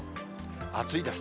暑いです。